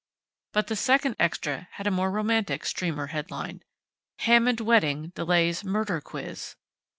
But the second extra had a more romantic streamer headline: HAMMOND WEDDING DELAYS MURDER QUIZ.